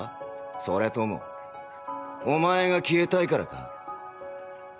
それともお前が消えたいからか？